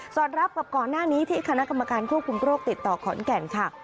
อดรับกับก่อนหน้านี้ที่คณะกรรมการควบคุมโรคติดต่อขอนแก่นค่ะ